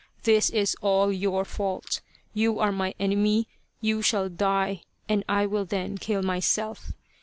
This is all your fault. You are my enemy, you shall die ! and I will then kill myself.